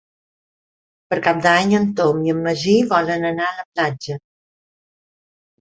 Per Cap d'Any en Tom i en Magí volen anar a la platja.